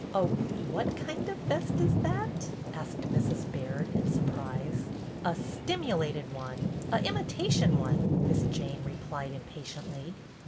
" A a what kind of a vest is that ?" asked Mrs. Baird, in surprise. " A stimulated one, a imitation one," Miss Jane replied impatiently.